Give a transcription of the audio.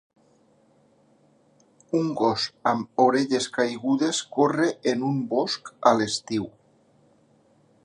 Un gos amb orelles caigudes corre en un bosc a l'estiu.